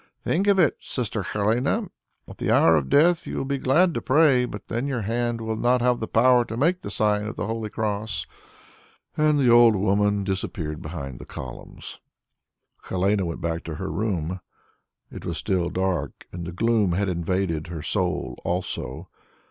Think of it, Sister Helene! At the hour of death you will be glad to pray, but then your hand will not have the power to make the sign of the holy cross." And the old woman disappeared behind the columns. Helene went back to her room. It was still dark, and the gloom had invaded her soul also.